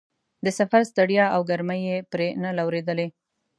د سفر ستړیا او ګرمۍ یې پرې نه لورېدلې.